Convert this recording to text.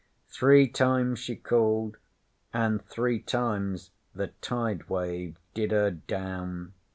'Three times she called, an' three times the Tide wave did her down.